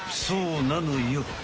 そうなのよ。